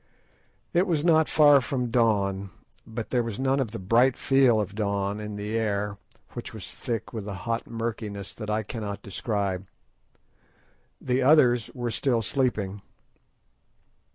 It was not far from dawn, but there was none of the bright feel of dawn in the air, which was thick with a hot murkiness that I cannot describe. The others were still sleeping.